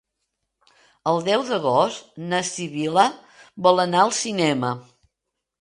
El deu d'agost na Sibil·la vol anar al cinema.